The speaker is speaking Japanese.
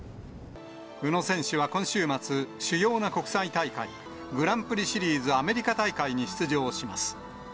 宇野選手は今週末、主要な国際大会、グランプリシリーズアメリカ大会に出場します。